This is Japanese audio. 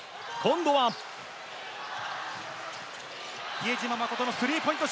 比江島慎のスリーポイント